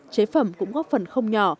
chế phẩm cũng góp phần không nhỏ